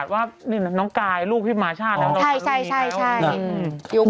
โดยอายุน้อยกว่าลูกแม่อีก